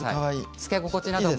着け心地なども。